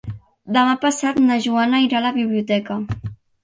Demà passat na Joana irà a la biblioteca.